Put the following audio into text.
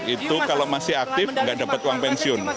itu kalau masih aktif nggak dapat uang pensiun